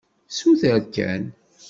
Suter kan.